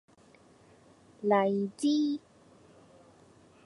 荔枝